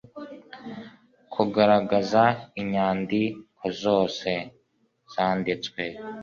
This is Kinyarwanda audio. kugaragaza inyandi kozose zanditswe